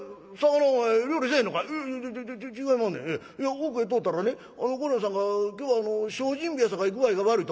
奥へ通ったらね御寮人さんが今日は精進日やさかい具合が悪いと。